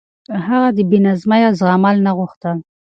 هغه د بې نظمي زغمل نه غوښتل.